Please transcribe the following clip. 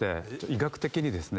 医学的にですね